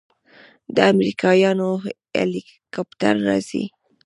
د امريکايانو هليكاپټر راځي.